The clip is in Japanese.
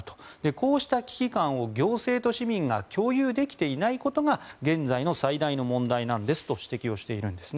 こうした危機感を行政と市民が共有できていないことが現在の最大の問題なんですと指摘しているんです。